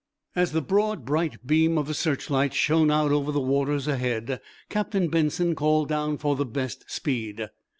As the broad, bright beam of the searchlight shone out over the waters ahead, Captain Benson called down for the best speed.